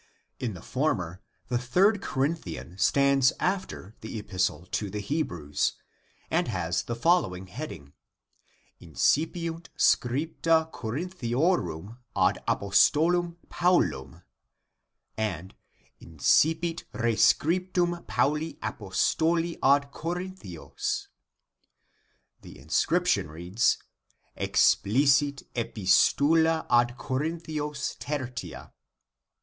In the former the third Corinthian stands after the epistle to the Hebrews, and has the heading :" incipiunt scripta Corinthiorum ad apostolum Paulum " and " incipit resciptum Pauli apostoli ad Corinthios "; the inscription reads :" explicit epistula ad Corinthios tertia."